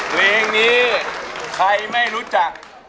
เพลงนี้ใครไม่รู้จัก